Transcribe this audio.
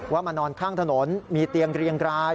มานอนข้างถนนมีเตียงเรียงราย